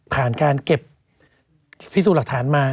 การเก็บพิสูจน์หลักฐานมา